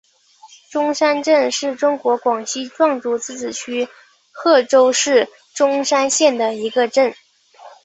钟山镇是中国广西壮族自治区贺州市钟山县的一个镇。